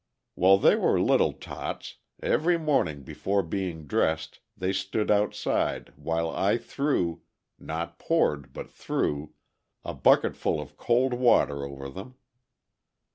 While they were little tots, every morning before being dressed they stood outside while I threw not poured, but threw, a bucketful of cold water over them.